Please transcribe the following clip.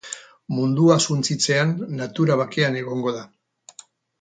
Mundua suntsitzean natura bakean egongo da.